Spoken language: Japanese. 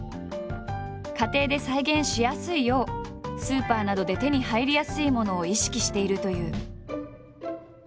家庭で再現しやすいようスーパーなどで手に入りやすいものを意識しているという。